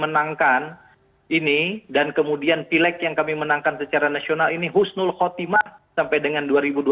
menangkan ini dan kemudian pilek yang kami menangkan secara nasional ini husnul khotimah sampai dengan dua ribu dua puluh